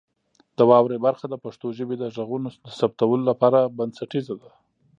د واورئ برخه د پښتو ژبې د غږونو د ثبتولو لپاره بنسټیزه ده.